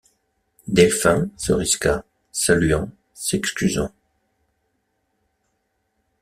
Delphin se risqua, saluant, s’excusant.